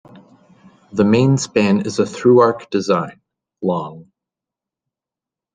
The main span is a through-arch design, long.